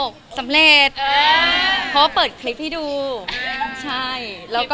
อ๋อค่ะไม่ผิดไหมละคะ